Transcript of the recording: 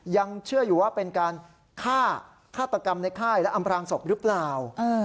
ยังเชื่ออยู่ว่าเป็นการฆ่าฆาตกรรมในค่ายและอำพลางศพหรือเปล่า